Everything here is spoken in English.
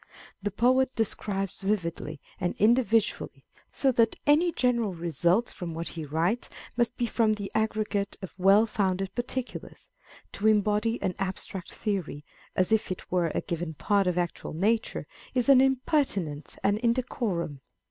The poet describes vividly and individually, so that any general results from what he writes must be from the aggregate of well founded particulars : to embody an abstract theory, as if it were a given part of actual nature, is an impertinence and indecorum.